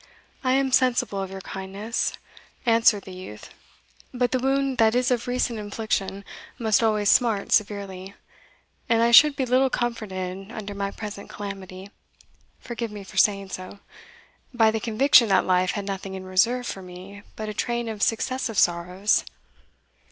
"I am sensible of your kindness," answered the youth; "but the wound that is of recent infliction must always smart severely, and I should be little comforted under my present calamity forgive me for saying so by the conviction that life had nothing in reserve for me but a train of successive sorrows.